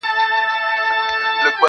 اشنا کوچ وکړ کوچي سو زه یې پرېښودم یوازي-